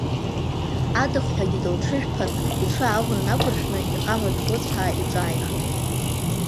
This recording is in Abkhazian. Адыхҳәагьы дылҽыжәԥан, иҽы аӷура нақуршәны, иҟама ҭӷуцәаа иҿааихеит.